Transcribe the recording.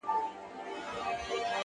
د رڼا او سیوري حرکت د دیوال شکل بدلوي.